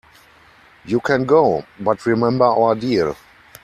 You can go, but remember our deal.